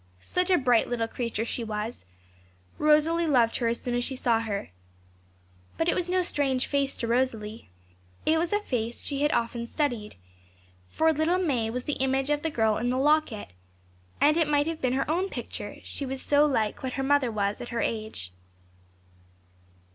Such a bright little creature she was; Rosalie loved her as soon as she saw her. But it was no strange face to Rosalie; it was a face she had often gazed at and often studied, for little May was the image of the girl in the locket; it might have been her own picture, she was so like what her mother was at her age.